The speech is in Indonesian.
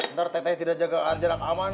ntar teh teh tidak jaga jarak aman